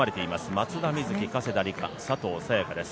松田瑞生、加世田梨花、佐藤早也伽です。